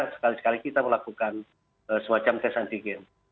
sekali sekali kita melakukan semacam tes anti game